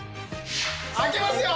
開けますよ。